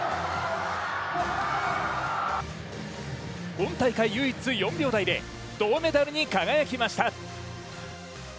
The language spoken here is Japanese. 今大会唯一４秒台で銅メダルに輝きました。